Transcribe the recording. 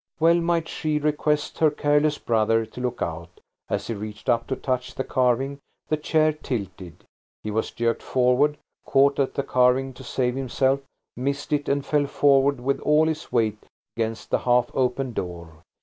Well might she request her careless brother to look out. As he reached up to touch the carving, the chair tilted, he was jerked forward, caught at the carving to save himself, missed it, and fell forward with all his weight against the half open door.